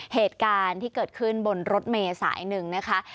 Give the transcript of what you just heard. เหตุการณ์ที่เกิดขึ้นบนรถเมย์สายหนึ่งนะคะ